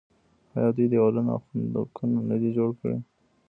آیا دوی دیوالونه او خندقونه نه دي جوړ کړي؟